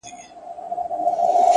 ورته ور چي وړې په لپو کي گورگورې _